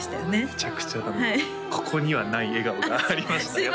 めちゃくちゃここにはない笑顔がありましたよ